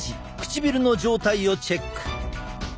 唇の状態をチェック。